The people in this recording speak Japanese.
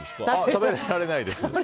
食べられないです。